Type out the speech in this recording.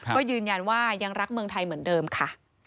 ก็ยืนยันว่ายังรักเมืองไทยเหมือนเดิมค่ะ